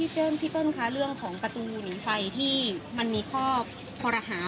เปิ้ลพี่เปิ้ลคะเรื่องของประตูหรือไฟที่มันมีข้อคอรหา